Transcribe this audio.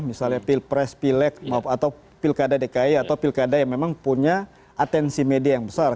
misalnya pilpres pilek atau pilkada dki atau pilkada yang memang punya atensi media yang besar